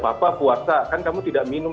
apa apa puasa kan kamu tidak minum